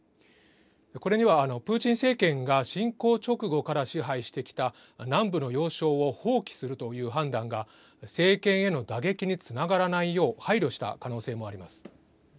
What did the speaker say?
これにはプーチン政権が侵攻直後から支配してきた南部の要衝を放棄するという判断が政権への打撃につながらないよう配慮した可能性もあります。